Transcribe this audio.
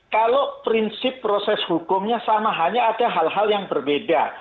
kalau prinsip proses hukumnya sama hanya ada hal hal yang berbeda